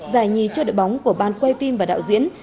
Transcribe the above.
giải nhì cho đội bóng của ban quay phim và đạo diễn